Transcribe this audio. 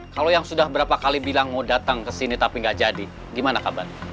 kalau yang sudah berapa kali bilang mau datang kesini tapi gak jadi gimana kabar